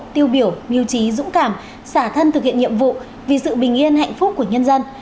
tiêu biểu miêu trí dũng cảm xả thân thực hiện nhiệm vụ vì sự bình yên hạnh phúc của nhân dân